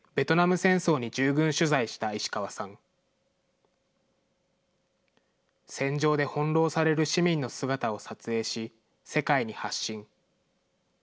戦場で翻弄される市民の姿を撮影し、世界に発信。